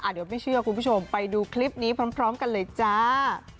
เดี๋ยวไม่เชื่อคุณผู้ชมไปดูคลิปนี้พร้อมกันเลยจ้า